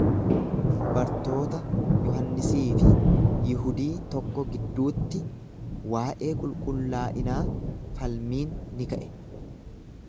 Bartoota Yohannisii fi Yihudii tokko gidduutti waa'ee qulqullaa'inaa falmiin ni ka'e.